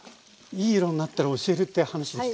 いい色になったら教えるって話でしたね。